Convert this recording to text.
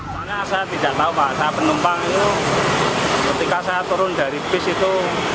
soalnya saya tidak tahu pak saya penumpang itu ketika saya turun dari bis itu